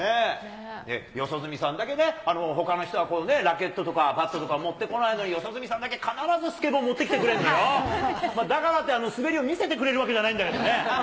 四十住さんだけね、ほかの人はラケットとか、バットとか持ってこないのに、四十住さんだけ必ずスケボー持ってきてくれるんだよ、だからって滑りを見せてくれるわけじゃないんだけどね。